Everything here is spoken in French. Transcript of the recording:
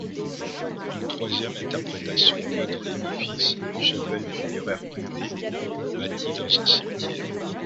Une troisième interprétation voit dans l'édifice une chapelle funéraire privée bâtie dans un cimetière.